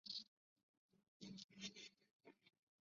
他的最后一个职位是俄罗斯联邦政府副总理。